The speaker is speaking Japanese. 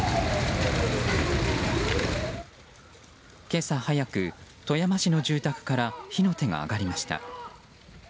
今朝早く、富山市の住宅から火の手が上がりました。